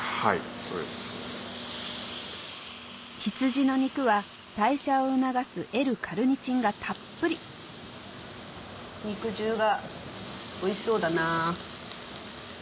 羊の肉は代謝を促すＬ−カルニチンがたっぷり肉汁がおいしそうだな。